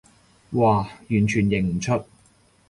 嘩，完全認唔出